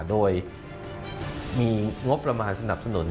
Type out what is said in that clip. โดยมีงบประมาณสนับสนุน